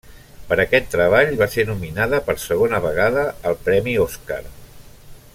Per aquest treball va ser nominada per segona vegada al Premi Oscar.